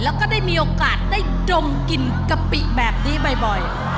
แล้วก็ได้มีโอกาสได้ดมกินกะปิแบบนี้บ่อย